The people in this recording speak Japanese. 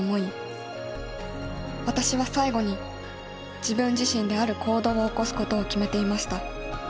私は最後に自分自身である行動を起こすことを決めていました。